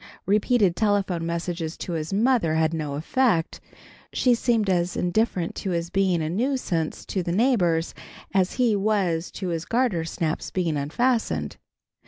Repeated telephone messages to his mother had no effect. She seemed as indifferent to his being a nuisance to the neighbors as he was to his gartersnaps being unfastened.